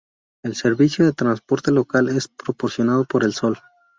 El servicio de transporte local es proporcionado por El Sol.